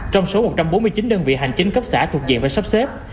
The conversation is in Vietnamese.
trong số một trăm bốn mươi chín đơn vị hành chính cấp xã thuộc diện và sắp xếp